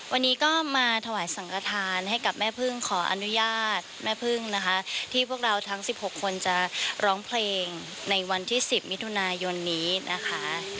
วันนี้ก็มาถวายสังกฐานให้กับแม่พึ่งขออนุญาตแม่พึ่งนะคะที่พวกเราทั้ง๑๖คนจะร้องเพลงในวันที่๑๐มิถุนายนนี้นะคะ